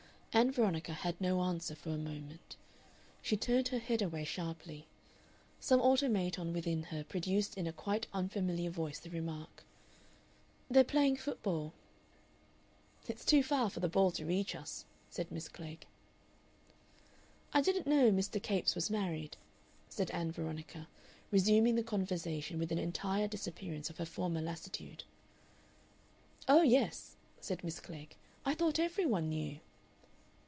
Ann Veronica had no answer for a moment. She turned her head away sharply. Some automaton within her produced in a quite unfamiliar voice the remark, "They're playing football." "It's too far for the ball to reach us," said Miss Klegg. "I didn't know Mr. Capes was married," said Ann Veronica, resuming the conversation with an entire disappearance of her former lassitude. "Oh yes," said Miss Klegg; "I thought every one knew."